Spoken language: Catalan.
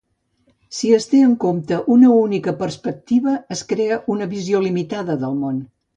Si es té en compte una única perspectiva es crea una visió limitada del món.